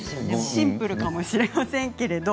シンプルかもしれませんけど。